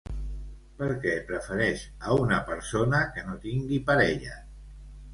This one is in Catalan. Per què prefereix a una persona que no tingui parella?